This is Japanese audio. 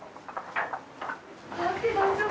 触って大丈夫。